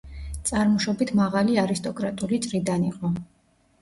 წარმოშობით მაღალი არისტოკრატული წრიდან იყო.